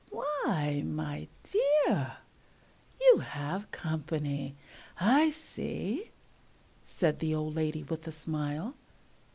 "Why, my dear, you have company, I see," said the old lady with a smile.